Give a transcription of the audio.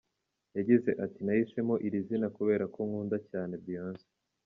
Yagize ati "Nahisemo iri zina kubera ko nkunda cyane, Beyonce.